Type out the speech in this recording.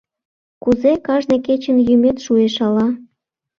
Кузе кажне кечын йӱмет шуэш ала?